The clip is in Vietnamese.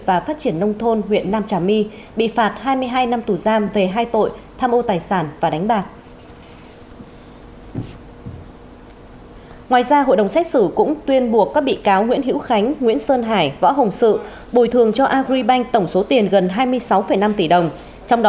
và phát triển nông thôn huyện nam trà my